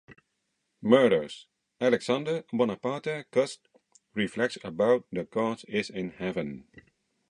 Murders", Alexander Bonaparte Cust reflects about the "God's in His heaven.